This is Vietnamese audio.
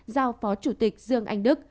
giao phó chủ tịch dương anh đức